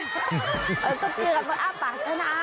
เออต้องเกลียดกับคนอ้าวปากขนาดทำไม